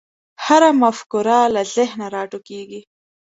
هره مفکوره له ذهنه راټوکېږي.